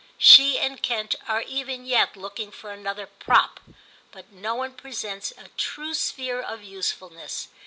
She and Kent are even yet looking for another prop, but no one presents a true sphere of usefulness.